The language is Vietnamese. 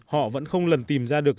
họ vẫn không lần tìm ra được